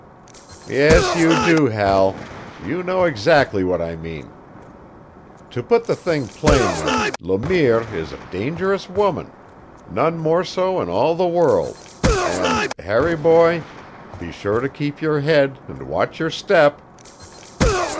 "Yes, you do, Hal. You know exactly what I mean. To put the thing plainly, Le Mire is a dangerous woman none more so in all the world; and, Harry boy, be sure you keep your head and watch your step."